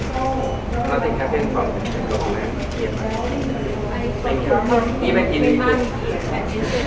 พวกมันจัดสินค้าที่๑๙นาที